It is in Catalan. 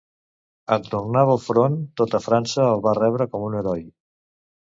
En tornar del front, tota França el va rebre com un heroi.